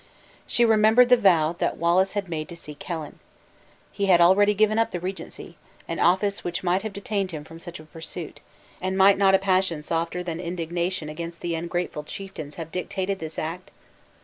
She remembered the vow that Wallace had made to seek Helen. He had already given up the regency an office which might have detained him from such a pursuit; and might not a passion softer than indignation against the ungrateful chieftains have dictated this act?